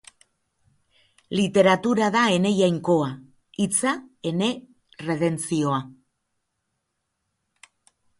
Literatura da ene Jainkoa, hitza ene redentzioa.